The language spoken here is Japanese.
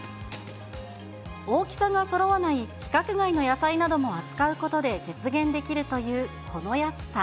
大きさがそろわない規格外の野菜なども扱うことで実現できるというこの安さ。